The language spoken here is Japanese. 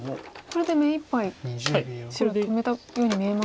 これで目いっぱい白止めたように見えますが。